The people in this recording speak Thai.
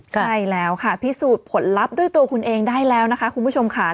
ใช่แล้วค่ะพิสูจน์ผลลัพธ์ด้วยตัวคุณเองได้แล้วนะคะคุณผู้ชมค่ะ